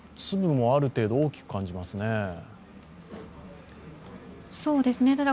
粒もある程度大きく感じますね。